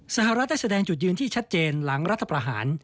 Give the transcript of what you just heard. สหรัฐได้แสดงจุดยืนที่ชัดเจนหลังรัฐประหาร